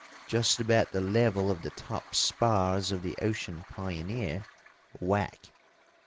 Just about the level of the top spars of the Ocean Pioneer, whack!